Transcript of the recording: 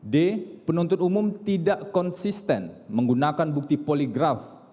d penuntut umum tidak konsisten menggunakan bukti poligraf